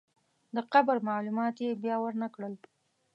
د قبر معلومات یې بیا ورنکړل.